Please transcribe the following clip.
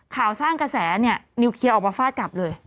ข่าวสร้างกระแสเนี่ยนิวเคลียร์ออกมาฟาดกลับเลย